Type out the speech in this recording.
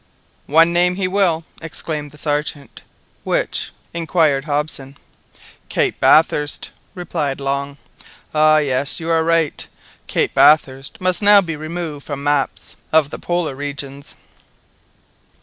"One name he will," exclaimed the Sergeant. "Which?" inquired Hobson. "Cape Bathurst," replied Long. "Ah, yes, you are right. Cape Bathurst must now be removed from maps of the Polar regions."